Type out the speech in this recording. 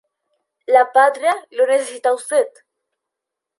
La patria lo necesita a Ud.